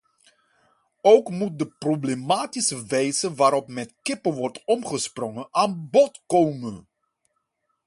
Ook moet de problematische wijze waarop met kippen wordt omgesprongen, aan bod komen.